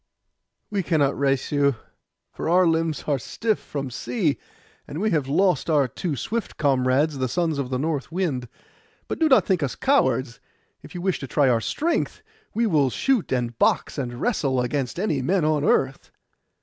'We cannot race against you, for our limbs are stiff from sea; and we have lost our two swift comrades, the sons of the north wind. But do not think us cowards: if you wish to try our strength, we will shoot, and box, and wrestle, against any men on earth.